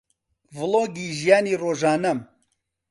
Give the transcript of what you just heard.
ڤڵۆگی ژیانی ڕۆژانەم